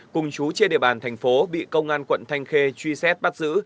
cùng chú trên địa bàn thành phố bị công an quận thanh khê truy xét bắt giữ